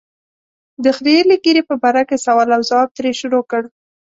د خرییلې ږیرې په باره کې سوال او ځواب ترې شروع کړ.